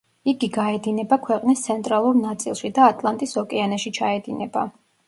იგი გაედინება ქვეყნის ცენტრალურ ნაწილში და ატლანტის ოკეანეში ჩაედინება.